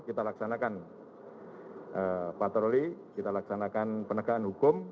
kita laksanakan patroli kita laksanakan penegakan hukum